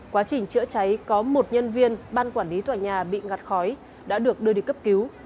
quá trình chữa cháy có một nhân viên ban quản lý tòa nhà bị ngặt khói đã được đưa đi cấp cứu